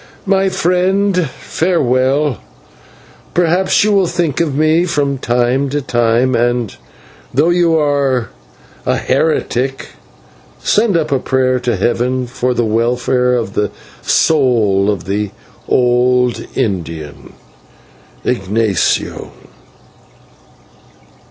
My friend, farewell. Perhaps you will think of me from time to time, and, though you are a heretic, send up a prayer to heaven for the welfare of the soul of the old Indian IGNATIO.